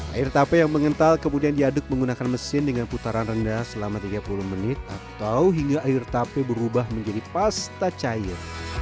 air tape yang mengental kemudian diaduk menggunakan mesin dengan putaran rendah selama tiga puluh menit atau hingga air tape berubah menjadi pasta cair